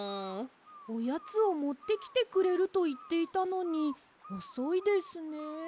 おやつをもってきてくれるといっていたのにおそいですね。